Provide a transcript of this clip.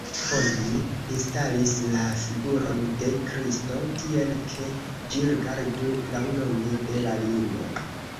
Oni instalis la figuron de Kristo tiel, ke ĝi rigardu laŭlonge de la limo.